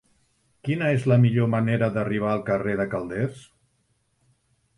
Quina és la millor manera d'arribar al carrer de Calders?